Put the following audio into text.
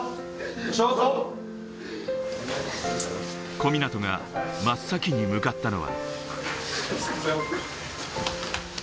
小湊が真っ先に向かったのは。